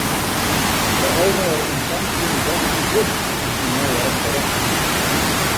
De eigener ûntfangt syn gasten grutsk yn syn nije restaurant.